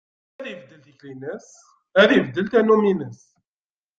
Ad ibeddel tikli-ines, ad ibeddel tannumi-ines.